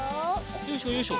よいしょよいしょ。